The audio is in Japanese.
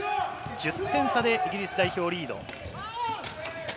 １０点差でイギリス代表リード。